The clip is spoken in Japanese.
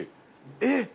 えっ！